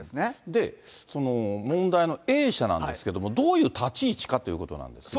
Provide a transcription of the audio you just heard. で、問題のＡ社なんですけども、どういう立ち位置かということなんですが。